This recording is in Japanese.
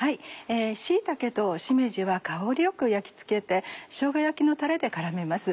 椎茸としめじは香りよく焼きつけてしょうが焼きのたれで絡めます。